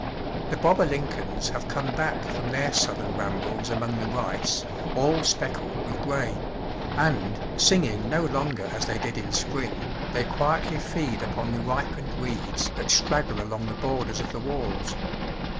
The Bob o' Lincolns have come back from their Southern rambles among the rice, all speckled with gray; and, singing no longer as they did in spring, they quietly feed upon the ripened reeds that straggle along the borders of the walls.